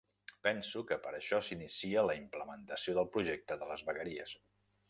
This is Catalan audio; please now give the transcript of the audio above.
Penso que per això s'inicia la implementació del projecte de les vegueries.